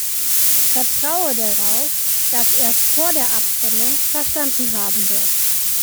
Ich vertraue darauf, dass er es vor der Abstimmung verstanden haben wird.